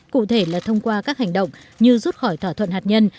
cụ thể là thông qua các hành động như rút khỏi thỏa thuận hạt nhân